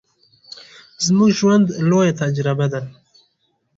زموږ ژوند، لويه تجربه ده.